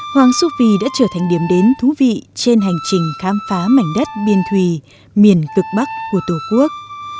hoàng su phi đã trở thành điểm đến thú vị trên hành trình khám phá mảnh đất biên thùy miền cực bắc của tổ quốc